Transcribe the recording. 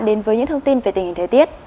đến với những thông tin về tình hình thời tiết